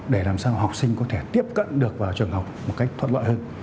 để làm sao học sinh có thể tiếp cận được vào trường học một cách thoát loại hơn